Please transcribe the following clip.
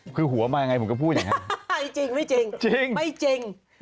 คือหัวมายังไงผมก็พูดอย่างนั้นจริงไม่จริงไม่จริง